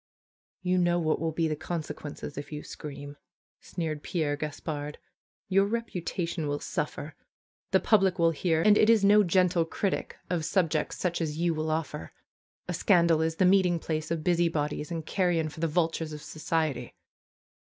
^^You know what will be the consequences if you scream," sneered Pierre Gaspard. ^^Your reputation will suffer. The public will hear, and it is no gentle critic of subjects such as you will offer. A scandal is the meeting place of busy bodies and carrion for the vultures of society."